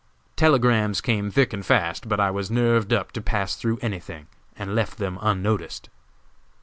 Telegrams came thick and fast, but I was nerved up to pass through anything, and left them unnoticed.